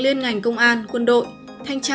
liên ngành công an quân đội thanh tra